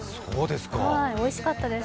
おいしかったです。